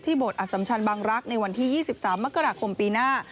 บทอสัมชันบางรักษ์ในวันที่๒๓มกราคมปีหน้า